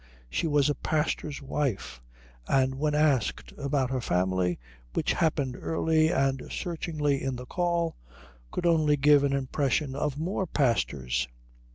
She was a pastor's wife; and when asked about her family, which happened early and searchingly in the call, could only give an impression of more pastors.